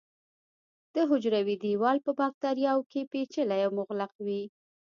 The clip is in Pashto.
د حجروي دیوال په باکتریاوو کې پېچلی او مغلق وي.